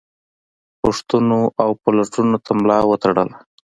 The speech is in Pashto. پوښتنو او پلټنو ته ملا وتړله.